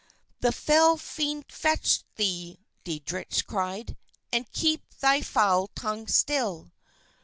"The fell fiend fetch thee!" Deitrich cried, "and keep thy foul tongue still.